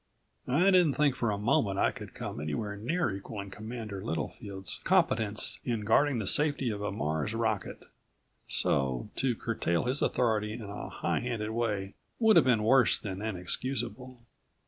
I didn't think for a moment I could come anywhere near equaling Commander Littlefield's competence in guarding the safety of a Mars' rocket ... so to curtail his authority in a high handed way would have been worse than inexcusable.